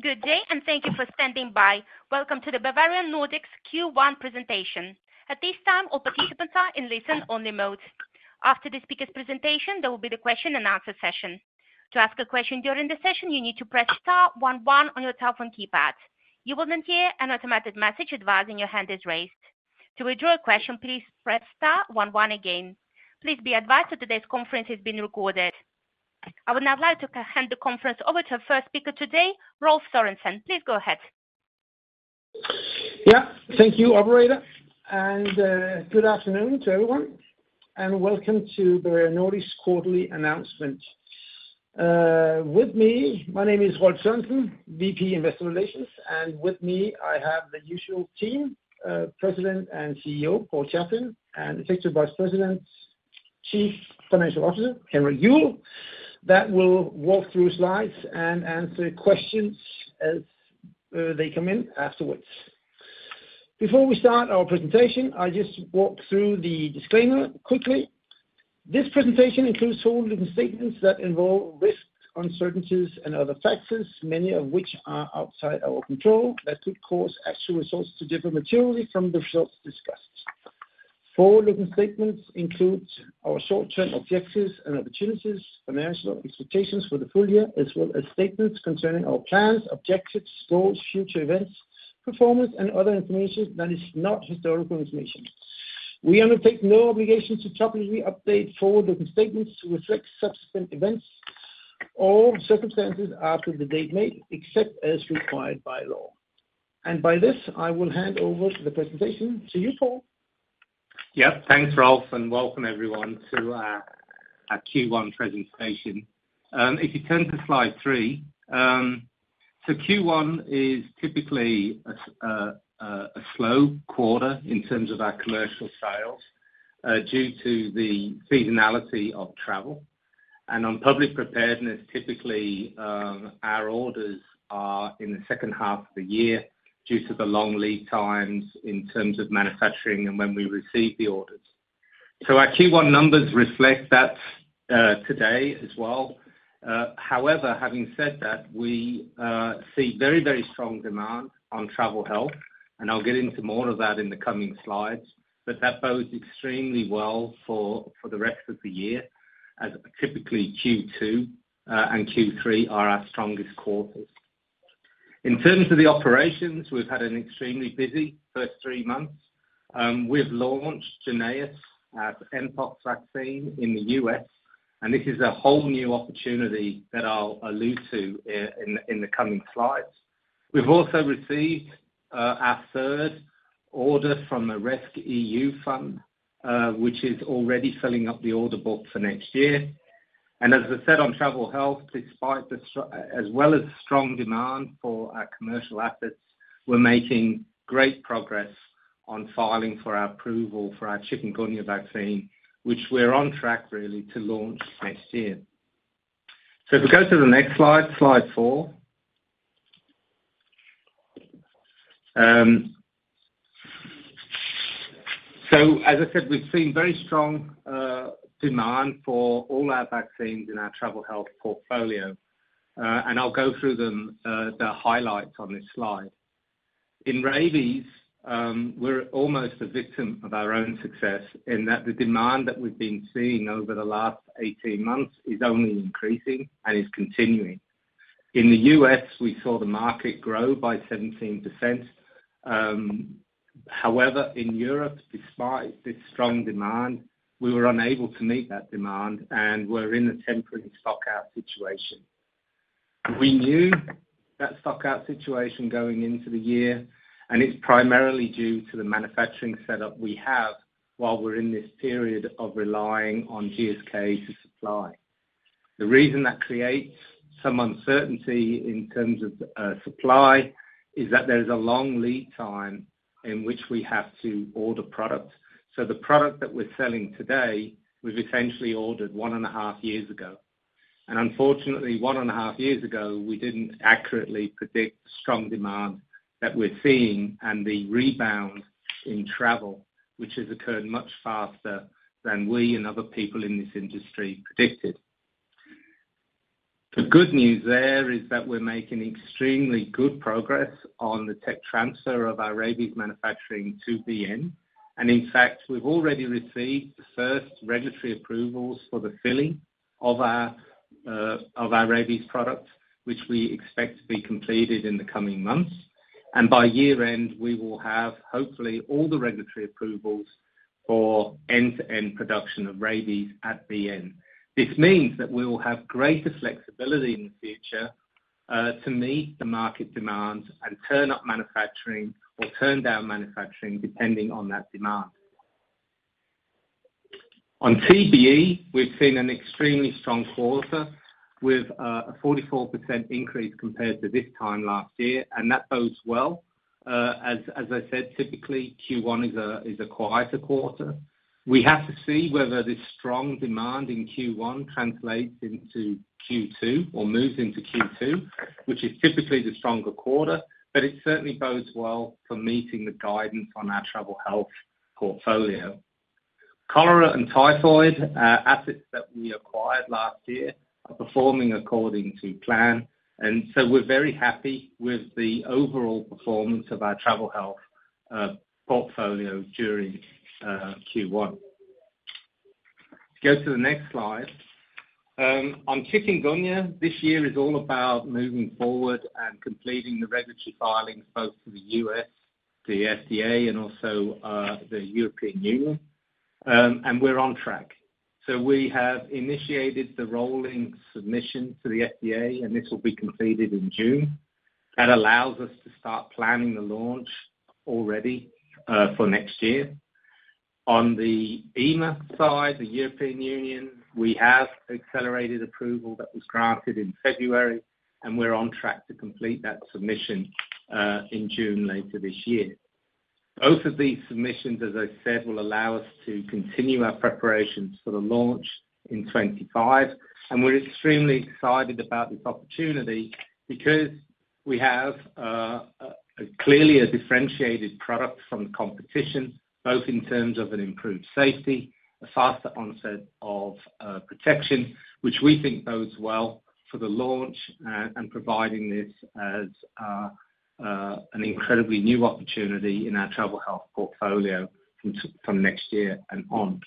Good day and thank you for standing by. Welcome to the Bavarian Nordic's Q1 presentation. At this time, all participants are in listen-only mode. After the speaker's presentation, there will be the question-and-answer session. To ask a question during the session, you need to press *11 on your telephone keypad. You will then hear an automated message advising your hand is raised. To withdraw a question, please press *11 again. Please be advised that today's conference is being recorded. I would now like to hand the conference over to our first speaker today, Rolf Sørensen. Please go ahead. Yeah, thank you, Operator. Good afternoon to everyone, and welcome to Bavarian Nordic's quarterly announcement. With me, my name is Rolf Sørensen, VP Investor Relations, and with me I have the usual team, President and CEO Paul Chaplin, and Executive Vice President and Chief Financial Officer Henrik Juuel, that will walk through slides and answer questions as they come in afterwards. Before we start our presentation, I'll just walk through the disclaimer quickly. This presentation includes forward-looking statements that involve risks, uncertainties, and other factors, many of which are outside our control, that could cause actual results to differ materially from the results discussed. Forward-looking statements include our short-term objectives and opportunities, financial expectations for the full year, as well as statements concerning our plans, objectives, goals, future events, performance, and other information that is not historical information. We undertake no obligation to publicly update forward-looking statements to reflect subsequent events or circumstances after the date made, except as required by law. With this, I will hand over the presentation to you, Paul. Yeah, thanks, Rolf, and welcome everyone to our Q1 presentation. If you turn to slide three, so Q1 is typically as a slow quarter in terms of our commercial sales, due to the seasonality of travel. And on public preparedness, typically, our orders are in the second half of the year due to the long lead times in terms of manufacturing and when we receive the orders. So our Q1 numbers reflect that, today as well. However, having said that, we see very, very strong demand on Travel Health, and I'll get into more of that in the coming slides, but that bodes extremely well for the rest of the year as typically Q2 and Q3 are our strongest quarters. In terms of the operations, we've had an extremely busy first three months. We've launched Jynneos as an Mpox Vaccine in the U.S., and this is a whole new opportunity that I'll allude to in the coming slides. We've also received our third order from a rescEU fund, which is already filling up the order book for next year. As I said, on Travel Health, despite the strong as well as strong demand for our commercial assets, we're making great progress on filing for our approval for our Chikungunya Vaccine, which we're on track, really, to launch next year. If we go to the next slide, slide four. As I said, we've seen very strong demand for all our vaccines in our Travel Health portfolio, and I'll go through the highlights on this slide. In Rabies, we're almost a victim of our own success in that the demand that we've been seeing over the last 18 months is only increasing and is continuing. In the U.S., we saw the market grow by 17%. However, in Europe, despite this strong demand, we were unable to meet that demand, and we're in a temporary stockout situation. We knew that stockout situation going into the year, and it's primarily due to the manufacturing setup we have while we're in this period of relying on GSK to supply. The reason that creates some uncertainty in terms of, supply is that there is a long lead time in which we have to order products. So the product that we're selling today, we've essentially ordered one and a half years ago. Unfortunately, one and a half years ago, we didn't accurately predict the strong demand that we're seeing and the rebound in travel, which has occurred much faster than we and other people in this industry predicted. The good news there is that we're making extremely good progress on the tech transfer of our Rabies manufacturing to VN. In fact, we've already received the first regulatory approvals for the filling of our Rabies products, which we expect to be completed in the coming months. By year-end, we will have, hopefully, all the regulatory approvals for end-to-end production of Rabies at VN. This means that we will have greater flexibility in the future, to meet the market demands and turn up manufacturing or turn down manufacturing depending on that demand. On TBE, we've seen an extremely strong quarter with a 44% increase compared to this time last year, and that bodes well. As I said, typically, Q1 is a quieter quarter. We have to see whether this strong demand in Q1 translates into Q2 or moves into Q2, which is typically the stronger quarter, but it certainly bodes well for meeting the guidance on our Travel Health portfolio. Cholera and typhoid assets that we acquired last year are performing according to plan, and so we're very happy with the overall performance of our Travel Health portfolio during Q1. If you go to the next slide, on Chikungunya, this year is all about moving forward and completing the regulatory filings both to the U.S., the FDA, and also the European Union. And we're on track. So we have initiated the rolling submission to the FDA, and this will be completed in June. That allows us to start planning the launch already, for next year. On the EMA side, the European Union, we have accelerated approval that was granted in February, and we're on track to complete that submission, in June later this year. Both of these submissions, as I said, will allow us to continue our preparations for the launch in 2025. And we're extremely excited about this opportunity because we have, clearly a differentiated product from the competition, both in terms of an improved safety, a faster onset of protection, which we think bodes well for the launch, and providing this as, an incredibly new opportunity in our Travel Health portfolio from next year and on.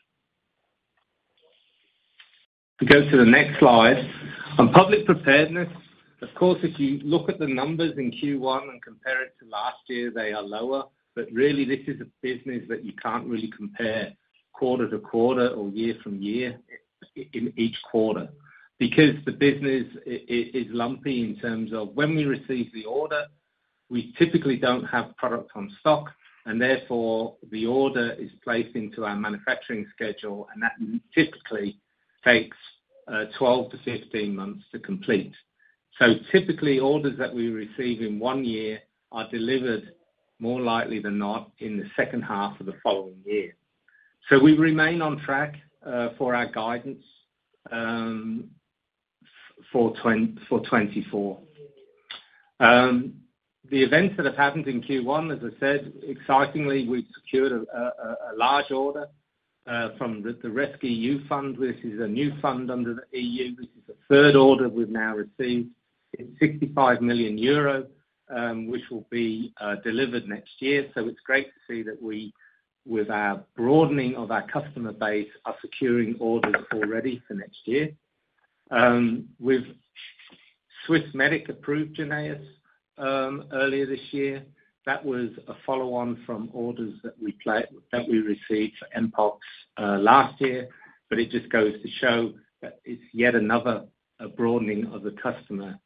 If we go to the next slide, on public preparedness, of course, if you look at the numbers in Q1 and compare it to last year, they are lower. But really, this is a business that you can't really compare quarter to quarter or year from year in each quarter because the business is lumpy in terms of when we receive the order, we typically don't have product on stock, and therefore, the order is placed into our manufacturing schedule, and that typically takes 12-15 months to complete. So typically, orders that we receive in one year are delivered more likely than not in the second half of the following year. So we remain on track for our guidance for 2024. The events that have happened in Q1, as I said, excitingly, we've secured a large order from the rescEU fund. This is a new fund under the EU. This is the third order we've now received. It's 65 million euros, which will be delivered next year. So it's great to see that we with our broadening of our customer base are securing orders already for next year. We've Swissmedic approved Jynneos earlier this year. That was a follow-on from orders that we received for Mpox last year, but it just goes to show that it's yet another broadening of the customer base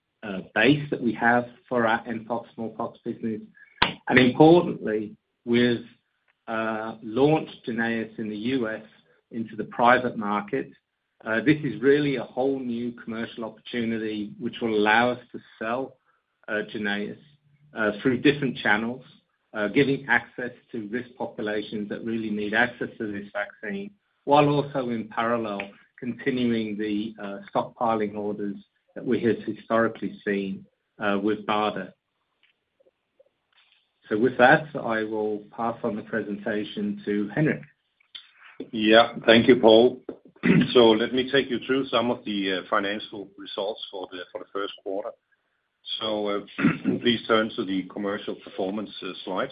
that we have for our Mpox business. And importantly, we've launched Jynneos in the U.S. into the private market. This is really a whole new commercial opportunity which will allow us to sell Jynneos through different channels, giving access to risk populations that really need access to this vaccine while also in parallel continuing the stockpiling orders that we have historically seen with BARDA. So with that, I will pass on the presentation to Henrik. Yeah, thank you, Paul. So let me take you through some of the financial results for the first quarter. So, please turn to the commercial performance slide.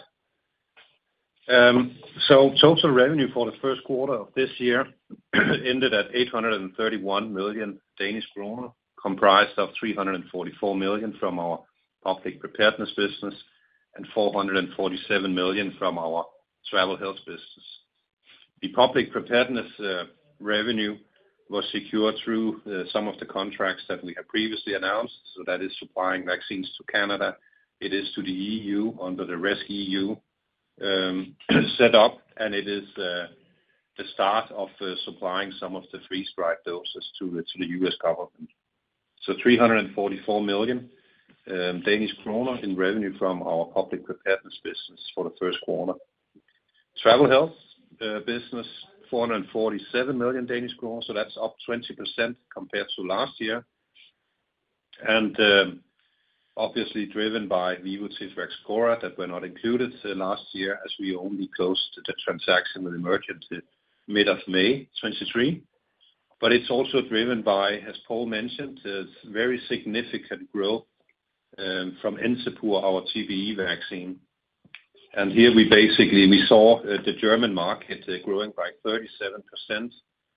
So total revenue for the first quarter of this year ended at 831 million Danish kroner, comprised of 344 million from our public preparedness business and 447 million from our Travel Health business. The public preparedness revenue was secured through some of the contracts that we have previously announced. So that is supplying vaccines to Canada. It is to the EU under the rescEU setup, and it is the start of supplying some of the freeze-dried doses to the U.S. government. So 344 million Danish kroner in revenue from our public preparedness business for the first quarter. Travel Health business, 447 million Danish kroner. So that's up 20% compared to last year. Obviously driven by Vivotif/Vaxchora that were not included last year as we only closed the transaction with Emergent mid-May 2023. But it's also driven by, as Paul mentioned, very significant growth from Encepur, our TBE Vaccine. And here we basically saw the German market growing by 37%,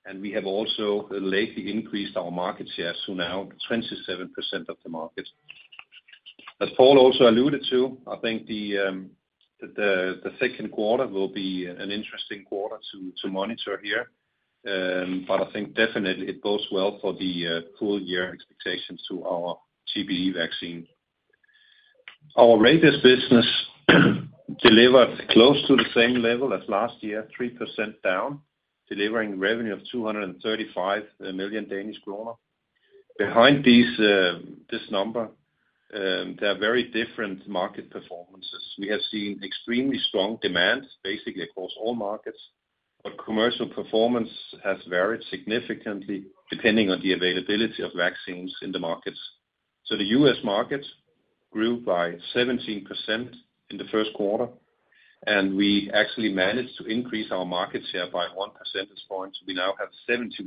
and we have also lately increased our market share to now 27% of the market. As Paul also alluded to, I think the second quarter will be an interesting quarter to monitor here. But I think definitely it bodes well for the full-year expectations to our TBE Vaccine. Our Rabies business delivered close to the same level as last year, 3% down, delivering revenue of 235 million Danish kroner. Behind this number, there are very different market performances. We have seen extremely strong demand basically across all markets, but commercial performance has varied significantly depending on the availability of vaccines in the markets. So the U.S. market grew by 17% in the first quarter, and we actually managed to increase our market share by 1 percentage point. So we now have 71%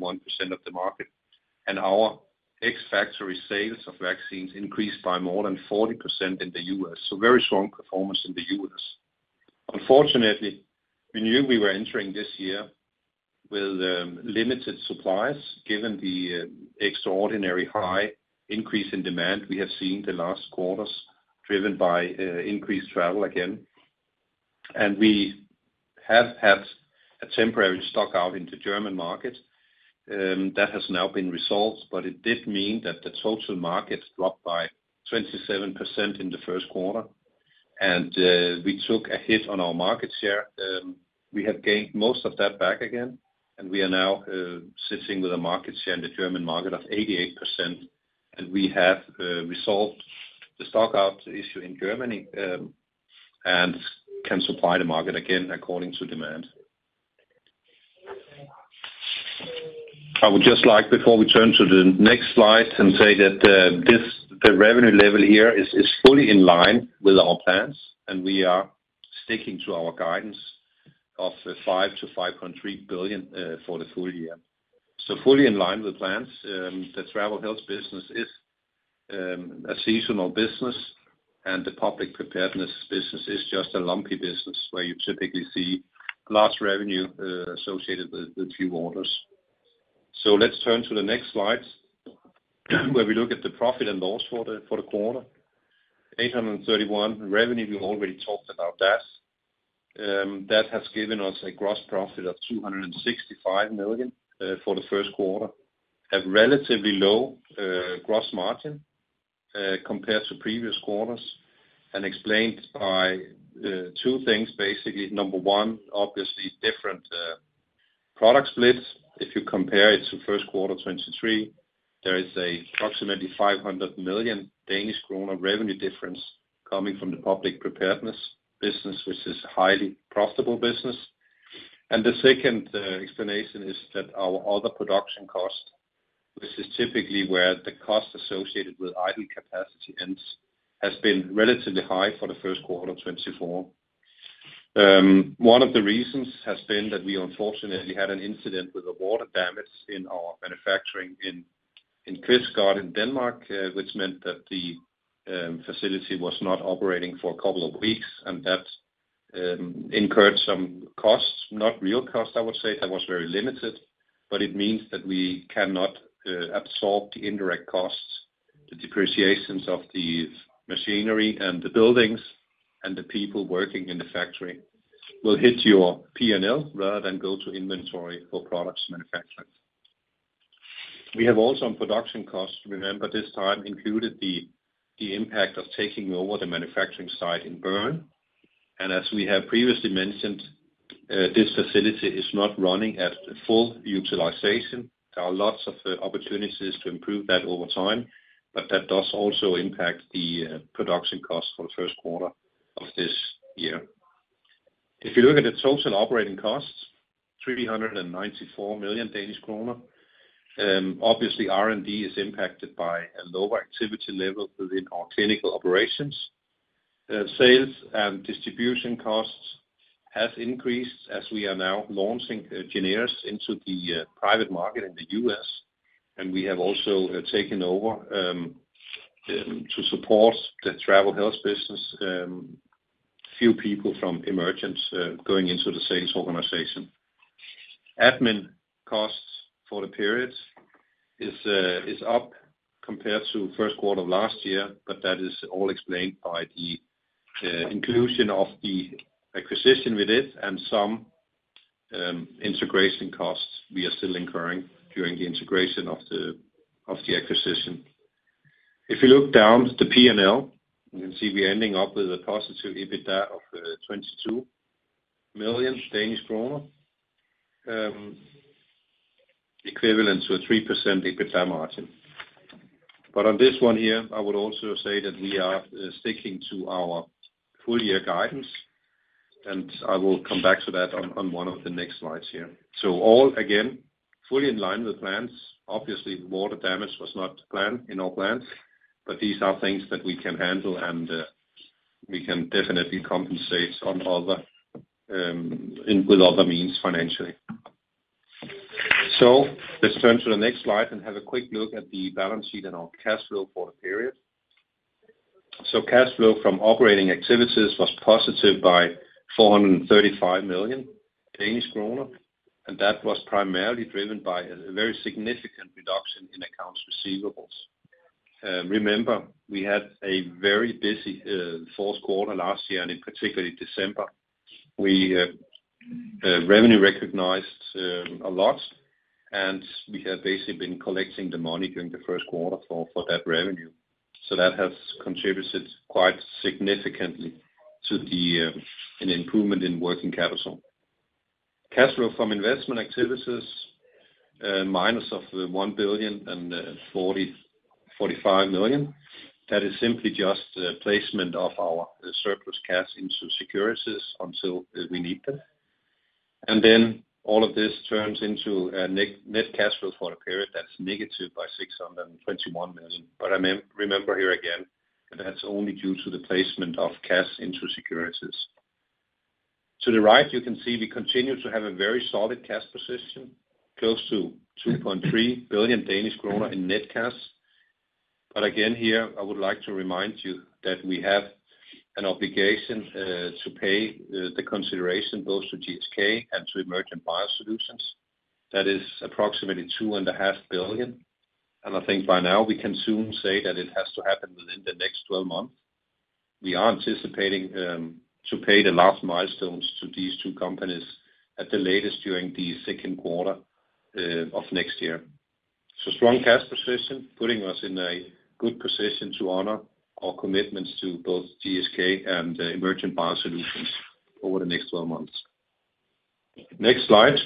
of the market, and our ex-factory sales of vaccines increased by more than 40% in the U.S. So very strong performance in the US. Unfortunately, we knew we were entering this year with limited supplies given the extraordinary high increase in demand we have seen the last quarters driven by increased travel again. And we have had a temporary stockout in the German market that has now been resolved, but it did mean that the total market dropped by 27% in the first quarter, and we took a hit on our market share. We have gained most of that back again, and we are now sitting with a market share in the German market of 88%, and we have resolved the stockout issue in Germany, and we can supply the market again according to demand. I would just like, before we turn to the next slide, to say that this, the revenue level here is fully in line with our plans, and we are sticking to our guidance of 5 billion-5.3 billion for the full year. So fully in line with plans, the travel health business is a seasonal business, and the Public Preparedness business is just a lumpy business where you typically see large revenue associated with few orders. So let's turn to the next slide where we look at the profit and loss for the quarter. 831 million revenue. We already talked about that. that has given us a gross profit of 265 million for the first quarter, a relatively low gross margin compared to previous quarters and explained by two things basically. Number one, obviously, different product split. If you compare it to first quarter 2023, there is approximately 500 million Danish kroner revenue difference coming from the Public Preparedness business, which is a highly profitable business. And the second explanation is that our other production cost, which is typically where the cost associated with idle capacity ends, has been relatively high for the first quarter 2024. One of the reasons has been that we unfortunately had an incident with water damage in our manufacturing in Kvistgård in Denmark, which meant that the facility was not operating for a couple of weeks, and that incurred some costs, not real costs, I would say. That was very limited, but it means that we cannot absorb the indirect costs, the depreciations of the fixed machinery and the buildings and the people working in the factory will hit your P&L rather than go to inventory for products manufactured. We have also on production costs, remember, this time included the impact of taking over the manufacturing site in Bern. And as we have previously mentioned, this facility is not running at full utilization. There are lots of opportunities to improve that over time, but that does also impact the production costs for the first quarter of this year. If you look at the total operating costs, 394 million Danish kroner, obviously, R&D is impacted by a lower activity level within our clinical operations. Sales and distribution costs have increased as we are now launching Jynneos into the private market in the US, and we have also taken over to support the Travel Health business, few people from Emergent going into the sales organization. Admin costs for the period is up compared to first quarter of last year, but that is all explained by the inclusion of the acquisition with it and some integration costs we are still incurring during the integration of the acquisition. If you look down the P&L, you can see we're ending up with a positive EBITDA of 22 million Danish kroner, equivalent to a 3% EBITDA margin. But on this one here, I would also say that we are sticking to our full-year guidance, and I will come back to that on one of the next slides here. So all, again, fully in line with plans. Obviously, water damage was not planned in our plans, but these are things that we can handle, and we can definitely compensate on other, in with other means financially. So let's turn to the next slide and have a quick look at the balance sheet and our cash flow for the period. So cash flow from operating activities was positive by 435 million Danish kroner, and that was primarily driven by a very significant reduction in accounts receivables. Remember, we had a very busy fourth quarter last year and particularly December. We revenue recognized a lot, and we have basically been collecting the money during the first quarter for that revenue. So that has contributed quite significantly to an improvement in working capital. Cash flow from investment activities minus 1 billion and 40-45 million, that is simply just placement of our surplus cash into securities until we need them. And then all of this turns into a net cash flow for the period that's negative by 621 million. But I mean, remember here again that that's only due to the placement of cash into securities. To the right, you can see we continue to have a very solid cash position, close to 2.3 billion Danish kroner in net cash. But again here, I would like to remind you that we have an obligation to pay the consideration both to GSK and to Emergent BioSolutions. That is approximately 2.5 billion, and I think by now we can soon say that it has to happen within the next 12 months. We are anticipating to pay the last milestones to these two companies at the latest during the second quarter of next year. So strong cash position putting us in a good position to honor our commitments to both GSK and Emergent BioSolutions over the next 12 months. Next slide.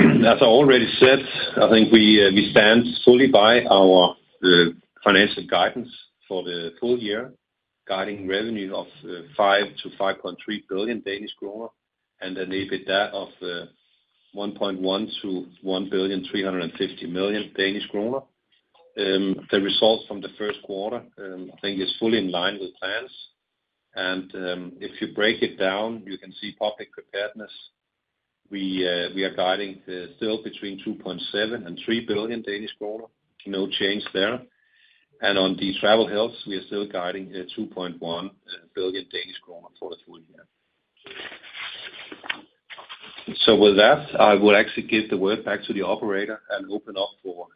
As I already said, I think we stand fully by our financial guidance for the full year, guiding revenue of 5-5.3 billion Danish kroner and an EBITDA of 1.1-1.350 million Danish kroner. The results from the first quarter, I think is fully in line with plans. And if you break it down, you can see Public Preparedness. We are guiding still between 2.7 billion and 3 billion Danish kroner, no change there. And on the Travel Health, we are still guiding 2.1 billion Danish kroner for the full year. So with that, I will actually give the word back to the operator and open up for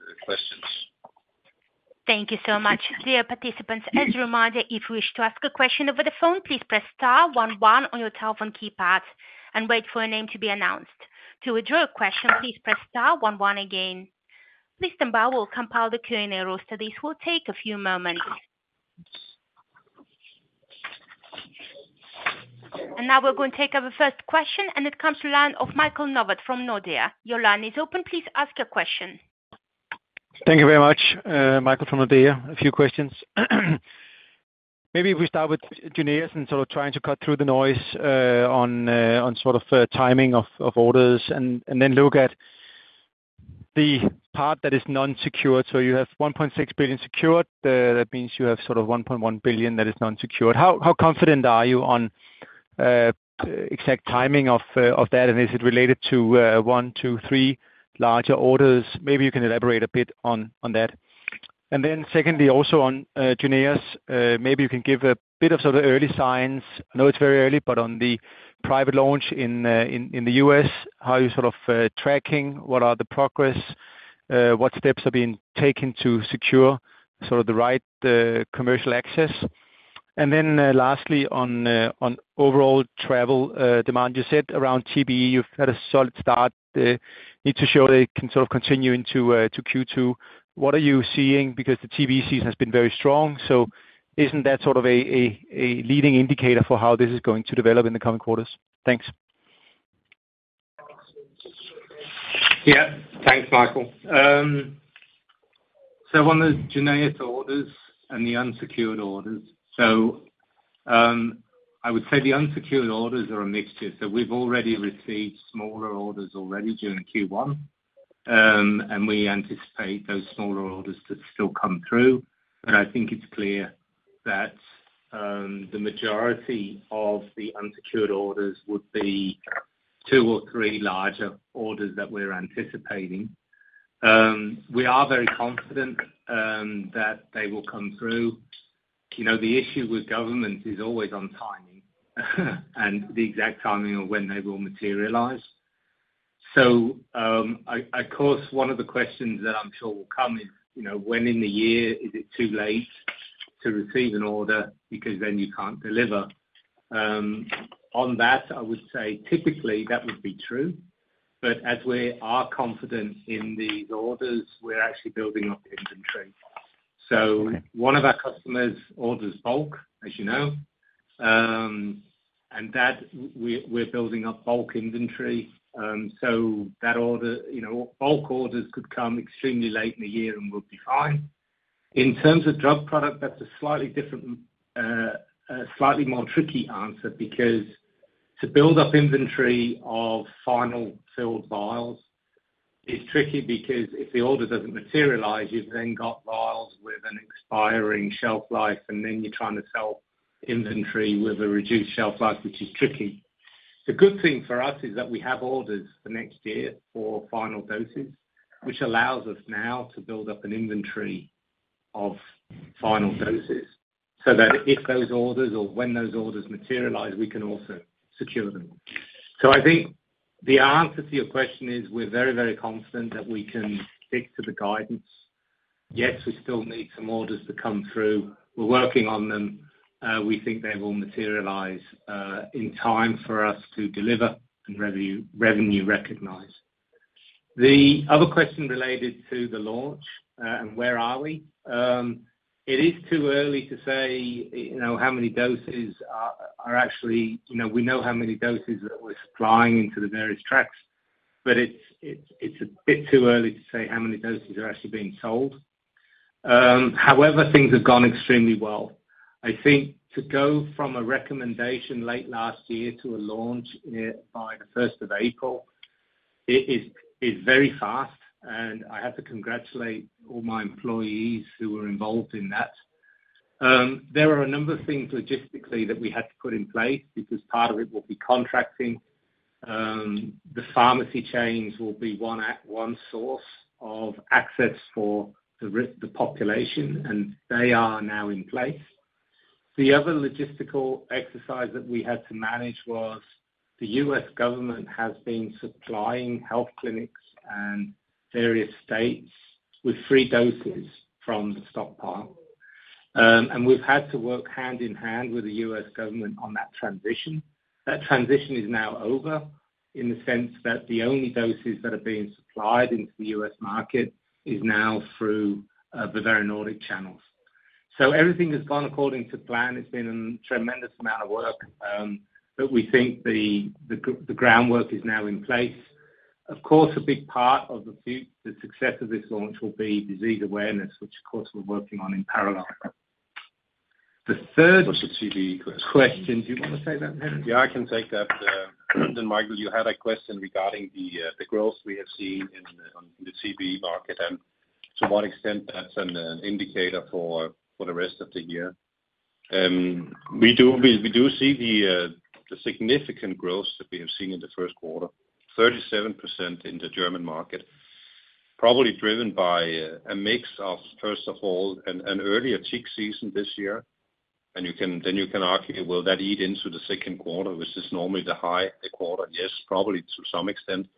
questions. Thank you so much, dear participants. As a reminder, if you wish to ask a question over the phone, please press star 11 on your telephone keypad and wait for your name to be announced. To withdraw a question, please press star 11 again. Listen, we'll compile the Q&A roster. This will take a few moments. Now we're going to take over first question, and it comes to the line of Michael Novod from Nordea. Your line is open. Please ask your question. Thank you very much, Michael from Nordea. A few questions. Maybe if we start with Jynneos and sort of trying to cut through the noise, on, on sort of, timing of, of orders and, and then look at the part that is non-secured. So you have 1.6 billion secured. That means you have sort of 1.1 billion that is non-secured. How, how confident are you on, exact timing of, of that? And is it related to, one, two, three larger orders? Maybe you can elaborate a bit on, on that. And then secondly, also on, Jynneos, maybe you can give a bit of sort of early signs. I know it's very early, but on the private launch in, in, in the U.S., how are you sort of, tracking? What are the progress? What steps are being taken to secure sort of the right, commercial access? Then, lastly, on overall travel demand, you said around TBE, you've had a solid start. Need to show they can sort of continue into Q2. What are you seeing? Because the TBE season has been very strong. So isn't that sort of a leading indicator for how this is going to develop in the coming quarters? Thanks. Yeah. Thanks, Michael. So on the Jynneos orders and the unsecured orders, so, I would say the unsecured orders are a mixture. So we've already received smaller orders already during Q1, and we anticipate those smaller orders to still come through. But I think it's clear that, the majority of the unsecured orders would be two or three larger orders that we're anticipating. We are very confident, that they will come through. You know, the issue with governments is always on timing and the exact timing of when they will materialize. So, of course, one of the questions that I'm sure will come is, you know, when in the year is it too late to receive an order because then you can't deliver? On that, I would say typically, that would be true. But as we are confident in these orders, we're actually building up inventory. So one of our customers orders bulk, as you know, and that we're building up bulk inventory. So that order, you know, bulk orders could come extremely late in the year and would be fine. In terms of drug product, that's a slightly different, slightly more tricky answer because to build up inventory of final filled vials is tricky because if the order doesn't materialize, you've then got vials with an expiring shelf life, and then you're trying to sell inventory with a reduced shelf life, which is tricky. The good thing for us is that we have orders for next year for final doses, which allows us now to build up an inventory of final doses so that if those orders or when those orders materialize, we can also secure them. So I think the answer to your question is we're very, very confident that we can stick to the guidance. Yes, we still need some orders to come through. We're working on them. We think they will materialize, in time for us to deliver and revenue recognize. The other question related to the launch, and where are we? It is too early to say, you know, how many doses are actually you know, we know how many doses that we're supplying into the various tracks, but it's a bit too early to say how many doses are actually being sold. However, things have gone extremely well. I think to go from a recommendation late last year to a launch, by the 1st of April, it is very fast, and I have to congratulate all my employees who were involved in that. There are a number of things logistically that we had to put in place because part of it will be contracting. The pharmacy chains will be one source of access for the population, and they are now in place. The other logistical exercise that we had to manage was the U.S. government has been supplying health clinics and various states with free doses from the stockpile. And we've had to work hand in hand with the US government on that transition. That transition is now over in the sense that the only doses that are being supplied into the US market is now through Bavarian Nordic channels. So everything has gone according to plan. It's been a tremendous amount of work, but we think the groundwork is now in place. Of course, a big part of the future the success of this launch will be disease awareness, which, of course, we're working on in parallel. The third. Or to TBE questions. Question. Do you want to take that, Henrik? Yeah, I can take that. And Michael, you had a question regarding the growth we have seen in the TBE market and to what extent that's an indicator for the rest of the year. We do see the significant growth that we have seen in the first quarter, 37% in the German market, probably driven by a mix of, first of all, an earlier tick season this year. And you can argue, will that eat into the second quarter, which is normally the high quarter? Yes, probably to some extent.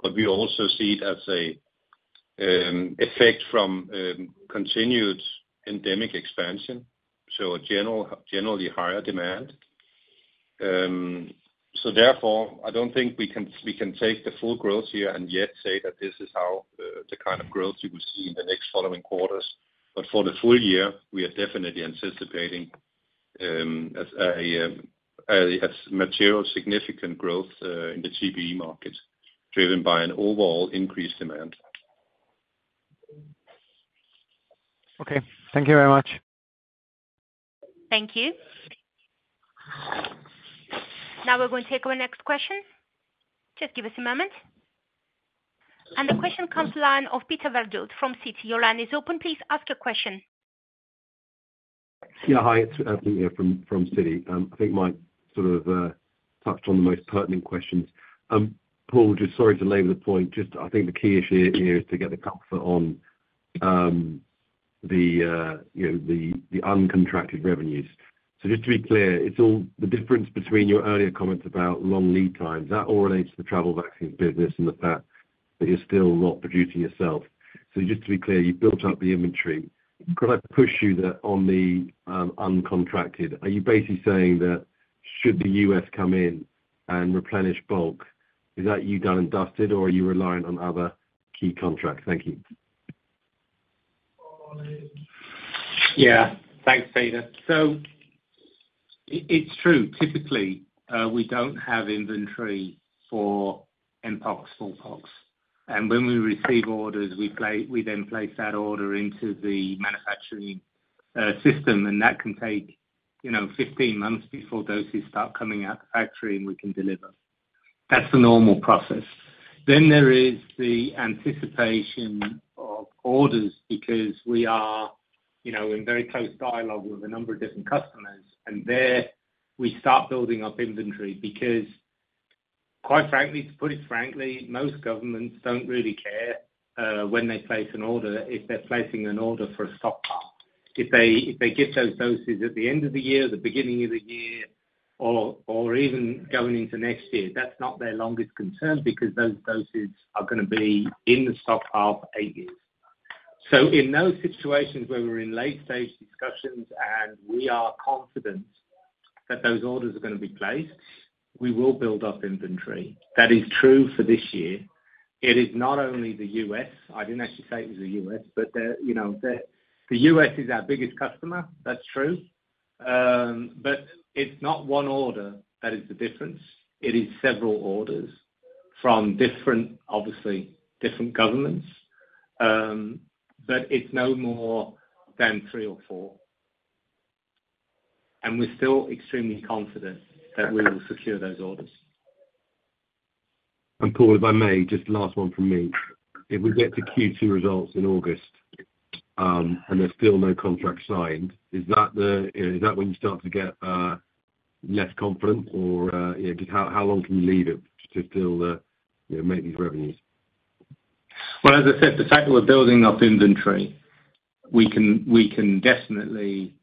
But we also see it as an effect from continued endemic expansion, so a generally higher demand. Therefore, I don't think we can take the full growth here and yet say that this is how the kind of growth you will see in the next following quarters. But for the full year, we are definitely anticipating a material significant growth in the TBE market driven by an overall increased demand. Okay. Thank you very much. Thank you. Now we're going to take over next question. Just give us a moment. And the question comes to the line of Peter Verdult from Citi. Your line is open. Please ask your question. Yeah, hi. It's here from Citi. I think Mike sort of touched on the most pertinent questions. Paul, just sorry to labor the point. Just, I think the key issue here is to get the comfort on the, you know, the uncontracted revenues. So just to be clear, it's all the difference between your earlier comments about long lead times. That all relates to the Travel Vaccines business and the fact that you're still not producing yourself. So just to be clear, you've built up the inventory. Could I push you that on the uncontracted? Are you basically saying that should the US come in and replenish bulk, is that you done and dusted, or are you reliant on other key contracts? Thank you. Yeah. Thanks, Peter. So it's true. Typically, we don't have inventory for mpox, smallpox. And when we receive orders, we then place that order into the manufacturing system, and that can take, you know, 15 months before doses start coming out of the factory and we can deliver. That's the normal process. Then there is the anticipation of orders because we are, you know, in very close dialogue with a number of different customers, and there we start building up inventory because, quite frankly, to put it frankly, most governments don't really care when they place an order if they're placing an order for a stockpile. If they get those doses at the end of the year, the beginning of the year, or even going into next year, that's not their longest concern because those doses are going to be in the stockpile for eight years. So in those situations where we're in late-stage discussions and we are confident that those orders are going to be placed, we will build up inventory. That is true for this year. It is not only the U.S. I didn't actually say it was the U.S., but they're, you know, they're the U.S. is our biggest customer. That's true, but it's not one order that is the difference. It is several orders from different, obviously, different governments, but it's no more than three or four. And we're still extremely confident that we will secure those orders. And Paul, if I may, just last one from me. If we get to Q2 results in August, and there's still no contract signed, is that the, you know, is that when you start to get less confident, or, you know, just how, how long can you leave it to still, you know, make these revenues? Well, as I said, the fact that we're building up inventory, we can definitely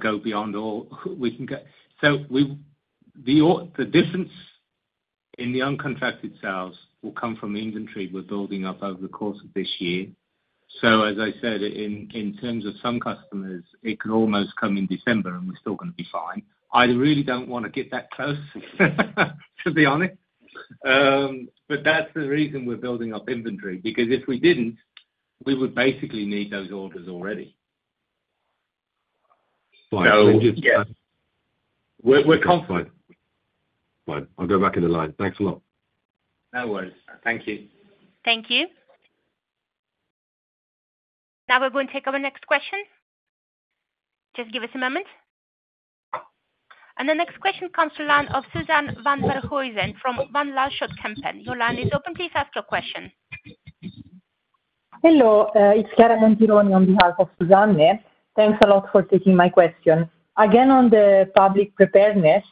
go beyond all we can go, so the difference in the uncontracted sales will come from the inventory we're building up over the course of this year. So as I said, in terms of some customers, it could almost come in December, and we're still going to be fine. I really don't want to get that close, to be honest. But that's the reason we're building up inventory because if we didn't, we would basically need those orders already. Fine. We're just. So yeah. We're confident. Fine. I'll go back in the line. Thanks a lot. No worries. Thank you. Thank you. Now we're going to take over next question. Just give us a moment. The next question comes to the line of Suzanne van Voorthuizen from Van Lanschot Kempen. Your line is open. Please ask your question. Hello. It's Chiara Montironi on behalf of Suzanne. Thanks a lot for taking my question. Again, on the Public Preparedness,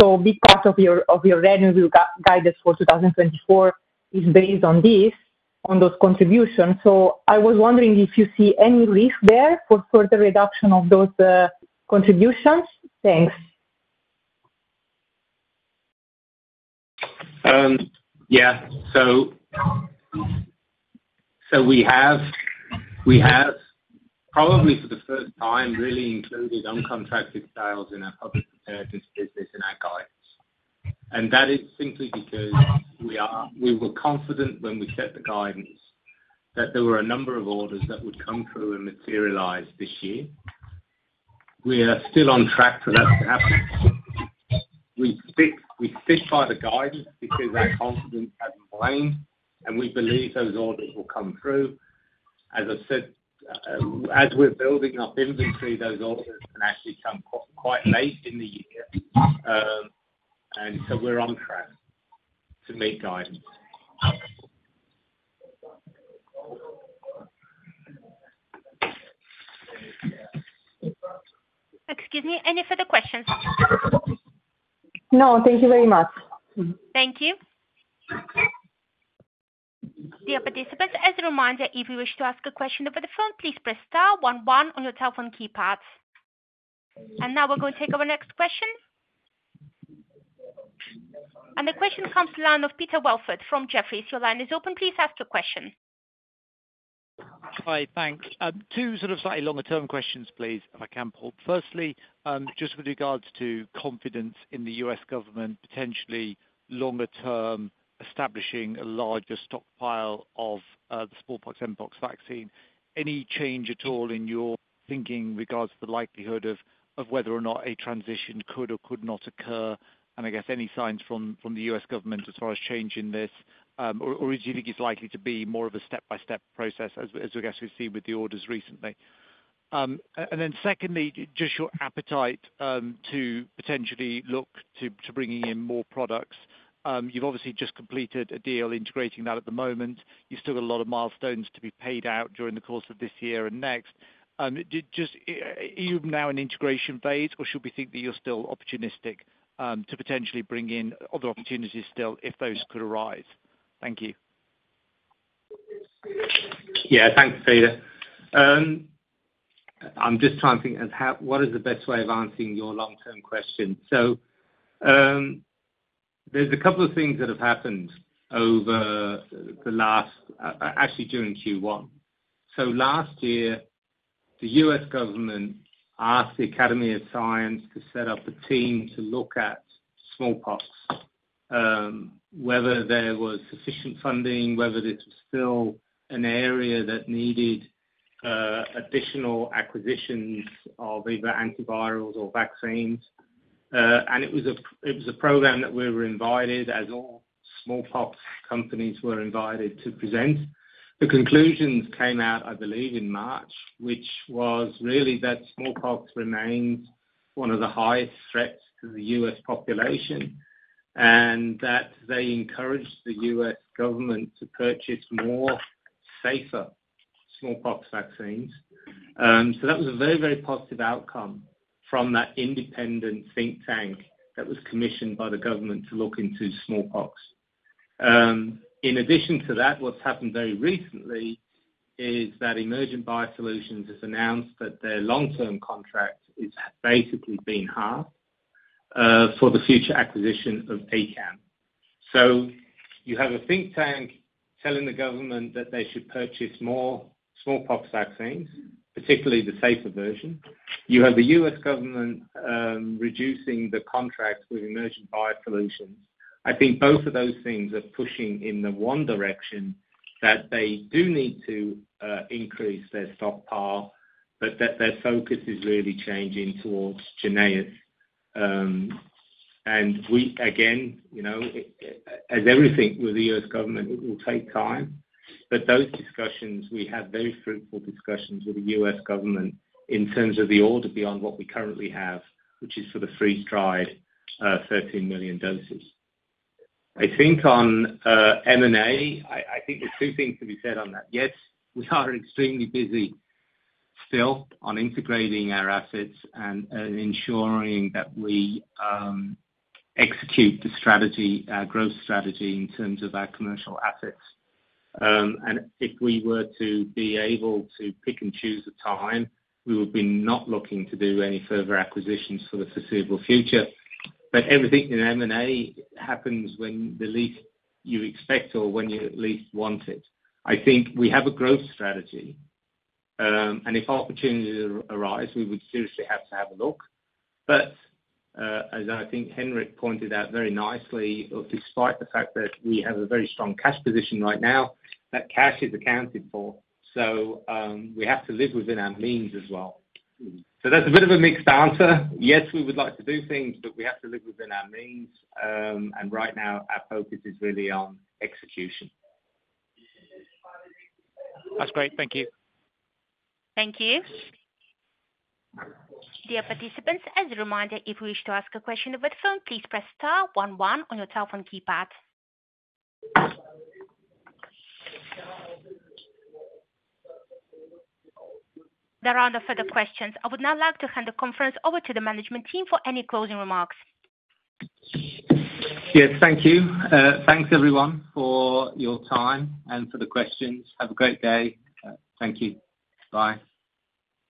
so a big part of your revenue guidance for 2024 is based on this, on those contributions. So I was wondering if you see any risk there for further reduction of those contributions. Thanks. Yeah. So we have probably for the first time really included uncontracted sales in our Public Preparedness business in our guidance. And that is simply because we were confident when we set the guidance that there were a number of orders that would come through and materialize this year. We are still on track for that to happen. We stick by the guidance because our confidence hasn't waned, and we believe those orders will come through. As I said, as we're building up inventory, those orders can actually come quite late in the year. So we're on track to meet guidance. Excuse me. Any further questions? No. Thank you very much. Thank you. Dear participants, as a reminder, if you wish to ask a question over the phone, please press star 11 on your telephone keypads. Now we're going to take over next question. The question comes to the line of Peter Welford from Jefferies. Your line is open. Please ask your question. Hi. Thanks. Two sort of slightly longer-term questions, please, if I can, Paul. Firstly, just with regards to confidence in the U.S. government potentially longer-term establishing a larger stockpile of the smallpox Mpox Vaccine, any change at all in your thinking regards to the likelihood of whether or not a transition could or could not occur? And I guess any signs from the U.S. government as far as change in this, or do you think it's likely to be more of a step-by-step process as I guess we've seen with the orders recently? And then secondly, just your appetite to potentially look to bringing in more products. You've obviously just completed a deal integrating that at the moment. You've still got a lot of milestones to be paid out during the course of this year and next. Just, are you now in integration phase, or should we think that you're still opportunistic to potentially bring in other opportunities still if those could arise? Thank you. Yeah. Thanks, Peter. I'm just trying to think of how what is the best way of answering your long-term question? So, there's a couple of things that have happened over the last actually during Q1. So last year, the U.S. government asked the Academy of Science to set up a team to look at smallpox, whether there was sufficient funding, whether this was still an area that needed additional acquisitions of either antivirals or vaccines. And it was a program that we were invited, as all smallpox companies were invited, to present. The conclusions came out, I believe, in March, which was really that smallpox remains one of the highest threats to the U.S. population and that they encouraged the U.S. government to purchase more, safer smallpox vaccines. So that was a very, very positive outcome from that independent think tank that was commissioned by the government to look into smallpox. In addition to that, what's happened very recently is that Emergent BioSolutions has announced that their long-term contract is basically being halved, for the future acquisition of ACAM. So you have a think tank telling the government that they should purchase more smallpox vaccines, particularly the safer version. You have the U.S. government reducing the contract with Emergent BioSolutions. I think both of those things are pushing in the one direction that they do need to increase their stockpile, but that their focus is really changing towards Jynneos. And we again, you know, it, it as everything with the U.S. government, it will take time. But those discussions, we had very fruitful discussions with the U.S. government in terms of the order beyond what we currently have, which is for the freeze-dried 13 million doses. I think on M&A, I, I think there's two things to be said on that. Yes, we are extremely busy still on integrating our assets and ensuring that we execute the strategy, growth strategy in terms of our commercial assets. And if we were to be able to pick and choose a time, we would be not looking to do any further acquisitions for the foreseeable future. But everything in M&A happens when the least you expect or when you at least want it. I think we have a growth strategy. And if opportunities arise, we would seriously have to have a look. But, as I think Henrik pointed out very nicely, despite the fact that we have a very strong cash position right now, that cash is accounted for. So, we have to live within our means as well. So that's a bit of a mixed answer. Yes, we would like to do things, but we have to live within our means. And right now, our focus is really on execution. That's great. Thank you. Thank you. Dear participants, as a reminder, if you wish to ask a question over the phone, please press star 11 on your telephone keypad. The round of further questions. I would now like to hand the conference over to the management team for any closing remarks. Yes. Thank you. Thanks, everyone, for your time and for the questions. Have a great day. Thank you. Bye.